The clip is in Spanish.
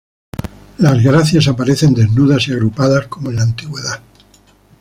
Las Gracias aparecen desnudas y agrupadas como en la antigüedad.